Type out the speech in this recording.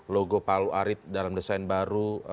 logo palu arit dalam desain baru